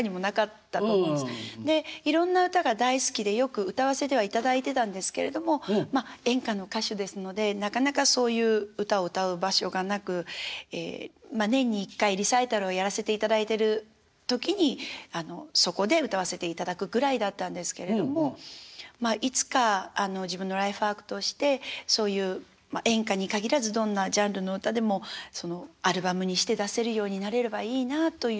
でいろんな歌が大好きでよく歌わせてはいただいてたんですけれどもまあ演歌の歌手ですのでなかなかそういう歌を歌う場所がなく年に１回リサイタルをやらせていただいてる時にそこで歌わせていただくぐらいだったんですけれどもまあいつか自分のライフワークとしてそういう演歌に限らずどんなジャンルの歌でもアルバムにして出せるようになれればいいなあという。